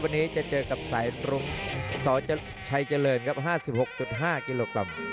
วันนี้จะเจอกับสายตรงสชัยเจริญครับ๕๖๕กิโลกรัม